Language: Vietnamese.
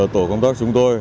tổ công tác chúng tôi